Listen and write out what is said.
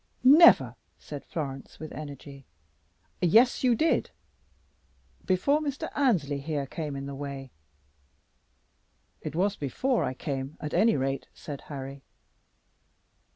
"Never!" said Florence, with energy. "Yes, you did, before Mr. Annesley here came in the way." "It was before I came, at any rate," said Harry.